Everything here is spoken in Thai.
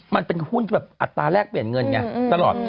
มันเป็นหุ้นแบบอัตราแรกเปลี่ยนเงินไงตลอด